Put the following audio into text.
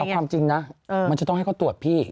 เอาความจริงนะมันจะต้องให้เขาตรวจพี่